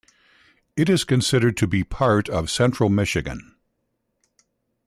It is considered to be part of Central Michigan.